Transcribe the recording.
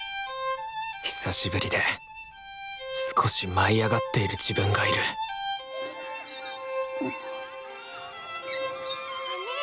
久しぶりで少し舞い上がっている自分がいるねえ。